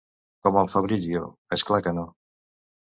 Com al Fabrizio, és clar que no.